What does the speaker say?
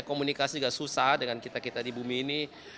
komunikasi juga susah dengan kita kita di bumi ini